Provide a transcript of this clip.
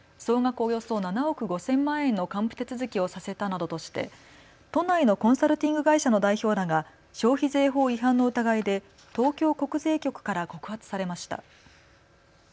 およそ７億５０００万円の還付手続きをさせたなどとして都内のコンサルティング会社の代表らが消費税法違反の疑いで東京国税局から告発されました。